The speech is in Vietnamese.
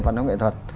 văn hóa nghệ thuật